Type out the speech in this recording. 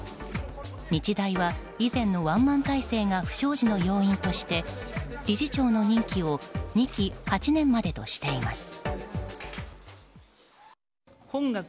日大は、以前のワンマン体制が不祥事の要因として理事長の任期を２期８年までとしています。